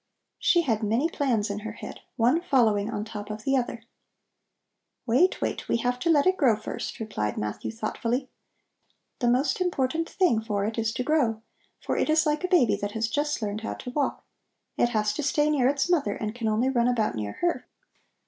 She had many plans in her head, one following on top of the other. "Wait, wait; we have to let it grow first," replied Matthew thoughtfully. "The most important thing for it is to grow, for it is like a baby that has just learned how to walk. It has to stay near its mother and can only run about near her.